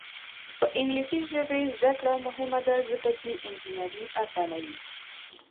د انګلیسي ژبې زده کړه مهمه ده ځکه چې انجینري اسانوي.